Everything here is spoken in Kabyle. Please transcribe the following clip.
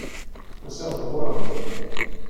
Usiɣ-d ɣur-m.